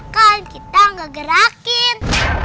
kan kita gak gerakin